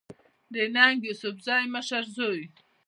د ننګ يوسفزۍ مشر زوی